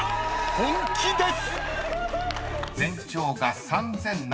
本気です！］